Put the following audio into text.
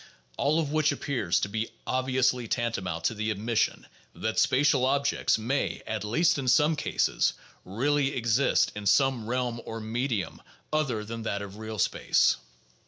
All of which appears to be obviously tantamount to the admission that spatial objects may at least in some cases really exist in some realm or medium other than that of real space.